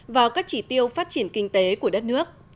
vào các chỉ tiêu phát triển kinh tế của đất nước